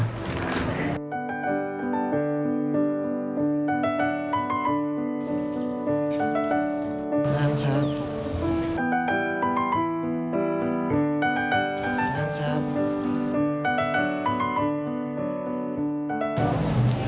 น้ำครับ